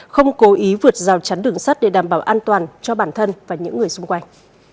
không cố ý vượt rào chắn đường sắt để đảm bảo an toàn cho bản thân và những người xung quanh